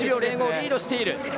リードしている。